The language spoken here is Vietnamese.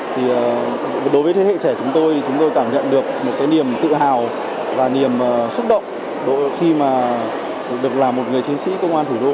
thì đối với thế hệ trẻ chúng tôi thì chúng tôi cảm nhận được một cái niềm tự hào và niềm xúc động khi mà được làm một người chiến sĩ công an thủ đô